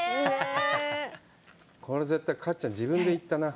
これ絶対かっちゃん自分で行ったな。